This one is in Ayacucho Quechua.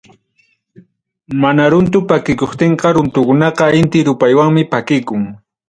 Mana runtu pakikuptinqa, runtukunaqa inti rupaywanmi pakikun.